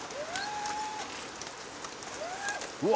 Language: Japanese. うわ